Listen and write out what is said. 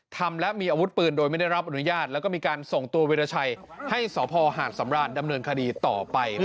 ทำและมีอาวุธปืนโดยไม่ได้รับอนุญาตแล้วก็มีการส่งตัววิราชัยให้สพหาดสำราญดำเนินคดีต่อไป